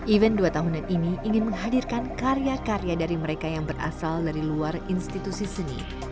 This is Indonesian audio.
event dua tahunan ini ingin menghadirkan karya karya dari mereka yang berasal dari luar institusi seni